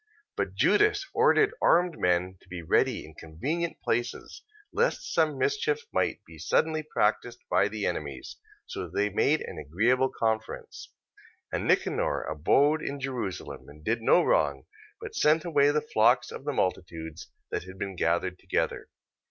14:22. But Judas ordered armed men to be ready in convenient places, lest some mischief might be suddenly practised by the enemies: so they made an agreeable conference. 14:23. And Nicanor abode in Jerusalem, and did no wrong, but sent away the flocks of the multitudes that had been gathered together.